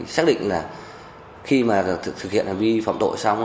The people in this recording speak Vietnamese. xác định là khi mà thực hiện hành vi phạm tội xong